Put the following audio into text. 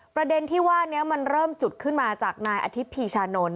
ประเด็นที่ว่านี้มันเริ่มจุดขึ้นมาจากนายอธิพีชานนท